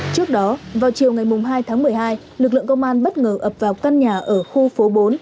trước đó vào chiều ngày hai tháng một mươi hai lực lượng công an bất ngờ ập vào căn nhà ở khu phố bốn